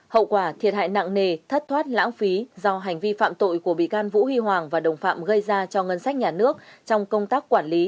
hậu quả thiệt hại nặng nề thất thoát lãng phí do hành vi phạm tội của bị can vũ huy hoàng và đồng phạm gây ra cho ngân sách nhà nước trong công tác quản lý